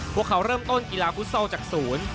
พวกเขาเริ่มต้นกีฬาฟุตซอลจากศูนย์